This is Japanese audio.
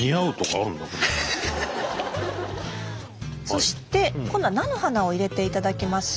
そして今度は菜の花を入れていただきます。